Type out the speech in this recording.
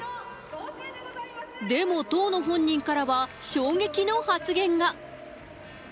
でも、当の本人からは衝撃の発言が。